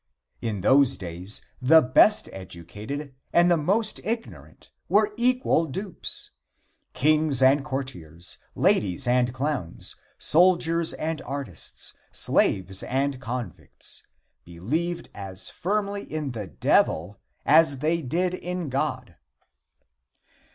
In those days the best educated and the most ignorant were equal dupes. Kings and courtiers, ladies and clowns, soldiers and artists, slaves and convicts, believed as firmly in the Devil as they did in God.